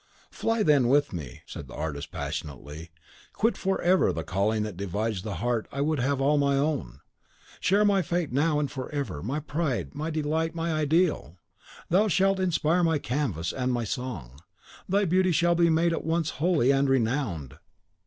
"Fly, then, with me," said the artist, passionately; "quit forever the calling that divides that heart I would have all my own. Share my fate now and forever, my pride, my delight, my ideal! Thou shalt inspire my canvas and my song; thy beauty shall be made at once holy and renowned.